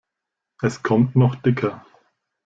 Es kommt noch dicker!